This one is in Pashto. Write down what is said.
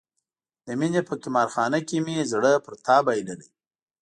د مینې په قمار خانه کې مې زړه پر تا بایللی.